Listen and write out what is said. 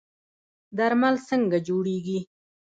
درمل څنګه جوړیږي؟